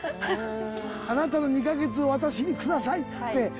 「あなたの２か月を私にください」って。